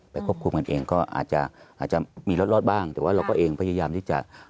ควบคุมกันเองก็อาจจะมีรอดบ้างแต่ว่าเราก็เองพยายามที่จะ